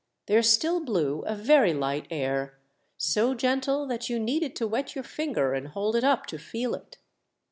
There still blew a very light air, so gentle that you needed to wet your finger and hold it up to feel it.